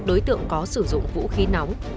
đối tượng có sử dụng vũ khí nóng